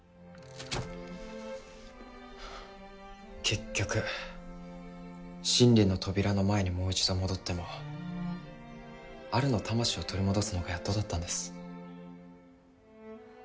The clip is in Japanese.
結局真理の扉の前にもう一度戻ってもアルの魂を取り戻すのがやっとだったんです